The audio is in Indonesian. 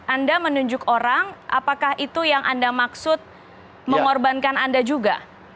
anda menunjuk orang apakah itu yang anda maksud mengorbankan anda juga